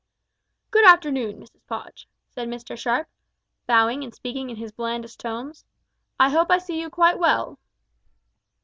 "Good afternoon, Mrs Podge," said Mr Sharp, bowing and speaking in his blandest tones. "I hope I see you quite well?"